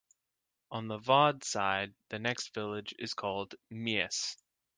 On the Vaud side, the next village is called Mies.